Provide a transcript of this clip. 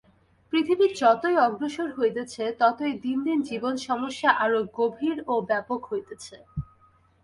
পৃথিবী যতই অগ্রসর হইতেছে, ততই দিন দিন জীবন-সমস্যা আরও গভীর ও ব্যাপক হইতেছে।